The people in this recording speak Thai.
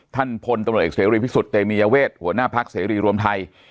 ท่านพลตำรวจเอกเสรีพิสุทธิ์เตมียเวทหัวหน้าพักเสรีรวมไทย